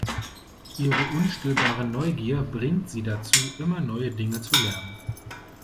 Ihre unstillbare Neugier bringt sie dazu, immer neue Dinge zu lernen.